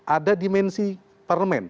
ada dimensi parlemen